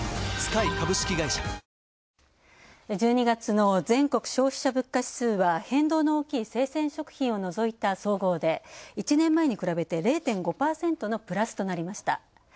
１２月の全国消費者物価指数は変動の大きい生鮮食品を除いた総合で、１年前に比べて０．５％のプラスとなりました。